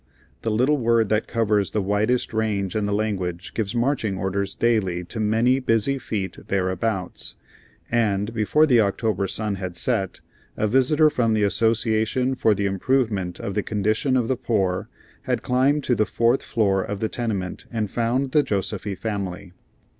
The little word that covers the widest range in the language gives marching orders daily to many busy feet thereabouts, and, before the October sun had set, a visitor from the Association for the Improvement of the Condition of the Poor had climbed to the fourth floor of the tenement and found the Josefy family.